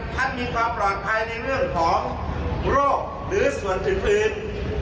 ท่านมีความปลอดภัยในเรื่องของโรคหรือส่วนอื่น